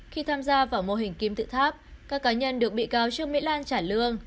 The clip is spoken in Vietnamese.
khi tham gia vào mô hình kim tự tháp các cá nhân được bị cáo trương mỹ lan trả lương